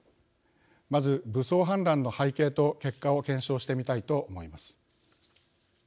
まず武装反乱の背景と結果を検証してみたいと思います。